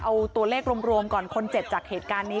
เอาตัวเลขรวมก่อนคนเจ็บจากเหตุการณ์นี้